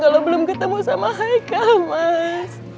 kalau belum ketemu sama haika mas